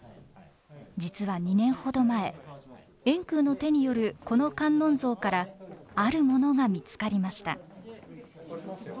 実は２年ほど前円空の手によるこの観音像からあるものが見つかりました。